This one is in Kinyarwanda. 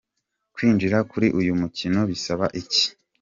Kwinjira kuri uyu mukino bisaba iki?.